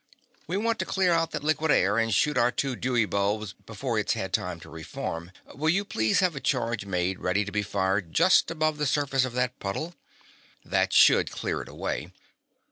"We want to clear out that liquid air and shoot our two Dewey globes before it's had time to reform. Will you please have a charge made ready to be fired just above the surface of that puddle? That should clear it away.